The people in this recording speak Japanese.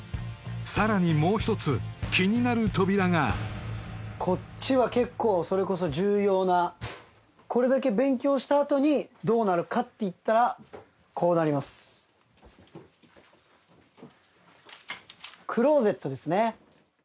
さらにもう一つ気になる扉がこっちは結構それこそ重要なこれだけ勉強したあとにどうなるかっていったらこうなりますクローゼットですね